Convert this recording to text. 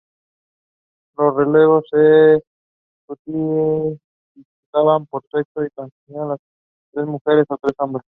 Los relevos se disputaban por sexo y consistían de tres mujeres o tres hombres.